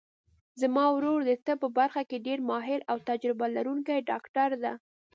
زما ورور د طب په برخه کې ډېر ماهر او تجربه لرونکی ډاکټر ده